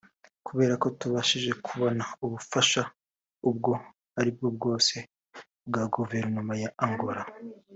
Kubera ko tutabashije kubona ubufasha ubwo aribwo bwose bwa guverinoma ya Angola